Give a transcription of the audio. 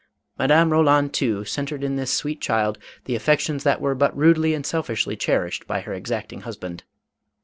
Madame Roland too, centred in this sweet child the affections that were but rudely and selfishly cherished by her exacting husband.